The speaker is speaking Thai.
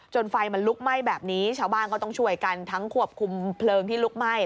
ไฟมันลุกไหม้แบบนี้ชาวบ้านก็ต้องช่วยกันทั้งควบคุมเพลิงที่ลุกไหม้